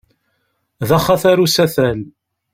D axatar usatal.